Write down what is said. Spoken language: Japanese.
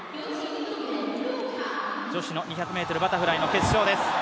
女子の２００ｍバタフライ決勝です。